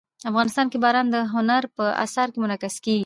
افغانستان کې باران د هنر په اثار کې منعکس کېږي.